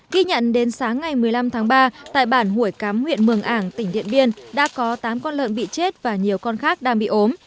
ghi nhận đến sáng ngày một mươi năm tháng ba tại bản hủy cắm huyện mường ảng tỉnh điện biên đã có tám con lợn bị chết và nhiều con khác đang bị ốm